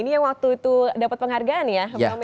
ini yang waktu itu dapat penghargaan ya